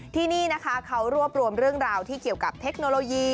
ที่นี่นะคะเขารวบรวมเรื่องราวที่เกี่ยวกับเทคโนโลยี